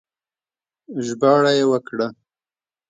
ژباړه يې وکړه